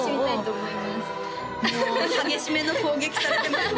もう激しめの攻撃されてますね